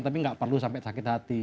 tapi nggak perlu sampai sakit hati